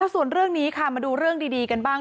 ส่วนเรื่องนี้ค่ะมาดูเรื่องดีกันบ้าง